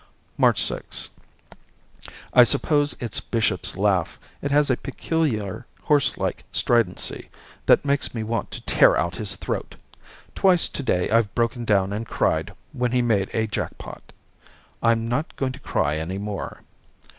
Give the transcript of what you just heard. March 6 I suppose it's Bishop's laugh. It has a peculiar horselike stridency that makes me want to tear out his throat. Twice today I've broken down and cried when he made a jackpot. I'm not going to cry any more.